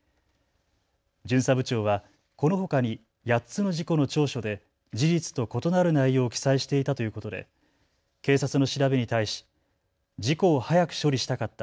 巡査部長はこのほかに８つの事故の調書で事実と異なる内容を記載していたということで警察の調べに対し事故を早く処理したかった。